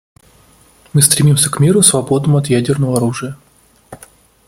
Мы стремимся к миру, свободному от ядерного оружия.